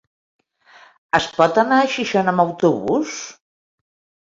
Es pot anar a Xixona amb autobús?